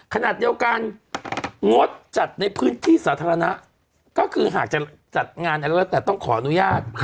ขณะเดียวกันงดจัดในพื้นที่สาธารณะก็คือหากจะจัดงานอะไรก็แล้วแต่ต้องขออนุญาต